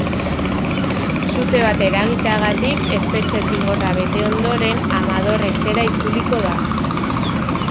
Sute bat eragiteagatik espetxe-zigorra bete ondoren, Amador etxera itzuliko da.